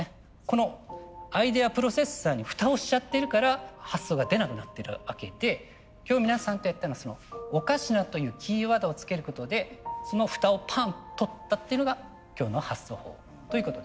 このアイデアプロセッサーに蓋をしちゃってるから発想が出なくなってるわけで今日皆さんとやったのは「おかしな」というキーワードをつけることでその蓋をパンと取ったっていうのが今日の発想法ということです。